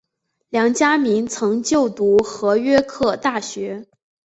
梁嘉铭曾就读和约克大学。